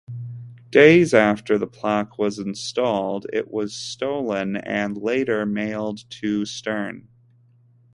Days after the plaque was installed, it was stolen and later mailed to Stern.